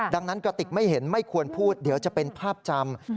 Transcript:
ดังนั้นกระติกไม่เห็นไม่ควรพูดเดี๋ยวจะเป็นภาพจำ